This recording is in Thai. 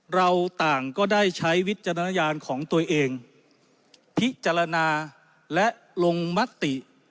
เราต่างก็ได้ใช้วิจารณญาณของตัวเองพิจารณาและลงมติ